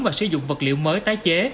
và sử dụng vật liệu mới tái chế